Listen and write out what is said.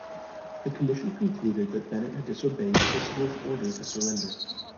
The Commission concluded that Bennett had disobeyed Percival's order to surrender.